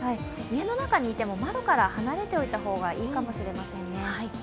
家の中にいても窓から離れておいた方がいいかもしれませんね。